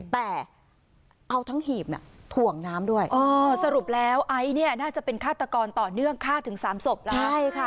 แต่เอาทั้งหีบถ่วงน้ำด้วยสรุปแล้วไอซ์เนี่ยน่าจะเป็นฆาตกรต่อเนื่องฆ่าถึง๓ศพแล้วใช่ค่ะ